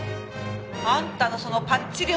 あんたのそのパッチリ